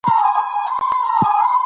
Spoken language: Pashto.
هغه عرض پاڼې ته سترګې نیولې دي.